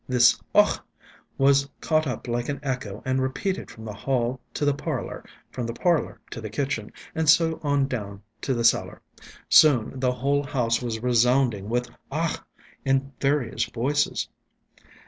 This "Ach!" was caught up like an echo and repeated from the hall to the parlour, from the parlour to the kitchen, and so on down to the cellar. Soon the whole house was resounding with "Ach!" in various voices.